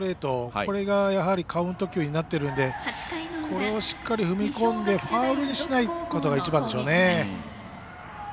これがカウント球になっているのでこれを、しっかり踏み込んでファウルにしないことが一番でしょうね。